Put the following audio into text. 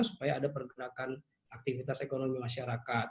supaya ada pergerakan aktivitas ekonomi masyarakat